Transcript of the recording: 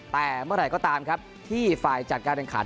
แต่เมื่อไหร่ก็ตามครับที่ฝ่ายจัดการแข่งขัน